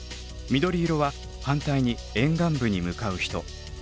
緑色は反対に沿岸部に向かう人。